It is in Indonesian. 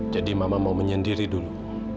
jadi mama mau menyendiri dulu